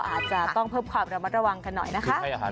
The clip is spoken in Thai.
อาจจะต้องเพิ่มความปล่อยกันได้นะคะ